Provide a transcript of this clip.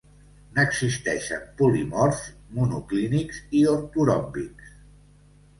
N'existeixen polimorfs monoclínics i ortoròmbics.